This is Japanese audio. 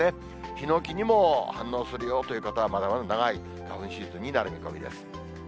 ヒノキにも反応するよという方は、まだまだ長い花粉シーズンになる見込みです。